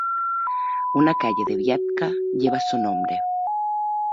Una calle de Viatka lleva su nombre.